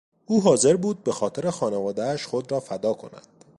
او حاضر بود به خاطر خانوادهاش خود را فدا کند.